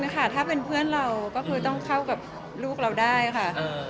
ค่ะถ้าเป็นเพื่อนเราก็คือต้องเข้ากับลูกเราได้ค่ะ